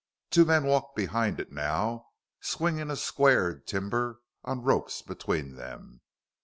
Two men walked behind it now, swinging a squared timber on ropes between them.